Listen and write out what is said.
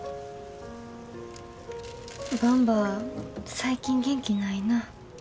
ばんば最近元気ないなぁ。